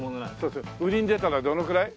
売りに出たらどのくらい？